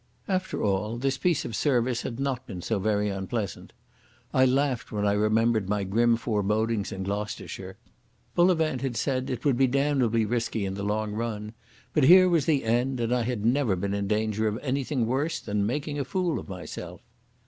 After all this piece of service had not been so very unpleasant. I laughed when I remembered my grim forebodings in Gloucestershire. Bullivant had said it would be damnably risky in the long run, but here was the end and I had never been in danger of anything worse than making a fool of myself.